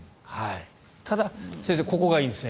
ただ、先生ここがいいんですね。